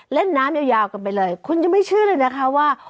เล่นน้ำยาวกันไปเลยคุณยังไม่เชื่อเลยนะคะว่า